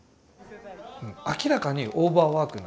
明らかにオーバーワーク。